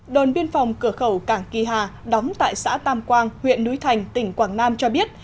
đồn biên phòng cửa khẩu cảng kỳ hà đóng tại xã tam quang huyện núi thành tỉnh quảng nam cho biết